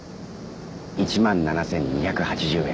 １万７２８０円。